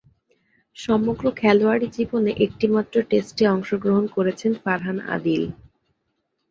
সমগ্র খেলোয়াড়ী জীবনে একটিমাত্র টেস্টে অংশগ্রহণ করেছেন ফারহান আদিল।